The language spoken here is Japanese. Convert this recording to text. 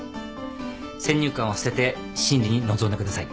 先入観を捨てて審理に臨んでください。